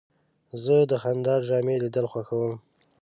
زه د خندا ډرامې لیدل خوښوم.